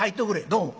「どうも。